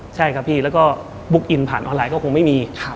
ใช่ครับพี่แล้วก็บุ๊กอินผ่านออนไลน์ก็คงไม่มี